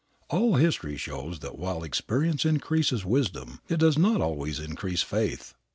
All history shows that while experience increases wisdom, it does not always increase faith.